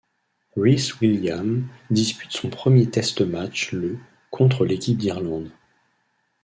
Rhys Williams dispute son premier test match le contre l'équipe d'Irlande.